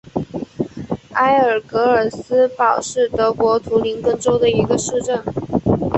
埃尔格尔斯堡是德国图林根州的一个市镇。